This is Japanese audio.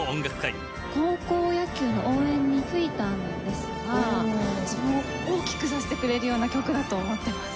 高校野球の応援に吹いたんですが自分を大きくさせてくれるような曲だと思ってます。